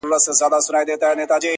روڼي سترګي کرۍ شپه په شان د غله وي!!